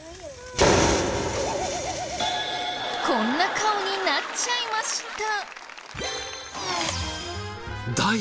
こんな顔になっちゃいました。